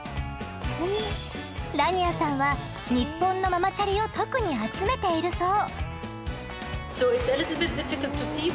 ラニアさんはニッポンのママチャリを特に集めているそう。